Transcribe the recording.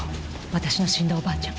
私の死んだおばあちゃん。